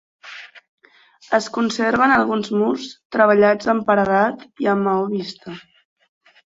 Es conserven alguns murs treballats en paredat i en maó vista.